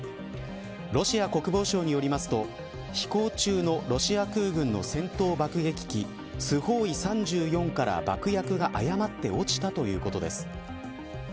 ロシア国防省によりますと飛行中のロシア空軍の戦闘爆撃機スホーイ３４から爆薬が誤って落ちたということです。